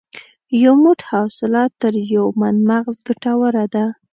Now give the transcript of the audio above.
یو موټ حوصله تر یو من مغز ګټوره ده.